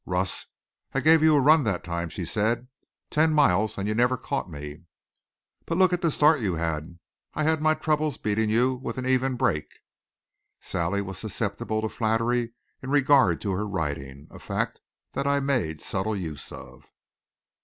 "Russ, I gave you a run that time," she said. "Ten miles and you never caught me!" "But look at the start you had. I've had my troubles beating you with an even break." Sally was susceptible to flattery in regard to her riding, a fact that I made subtle use of.